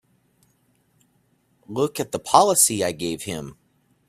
Look at the policy I gave him!